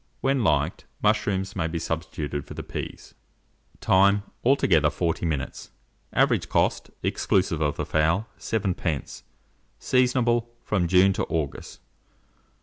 When liked, mushrooms may be substituted for the peas. Time. Altogether 40 minutes. Average cost, exclusive of the fowl, 7d. Seasonable from June to August.